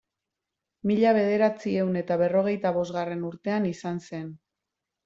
Mila bederatziehun eta berrogeita bosgarren urtean izan zen.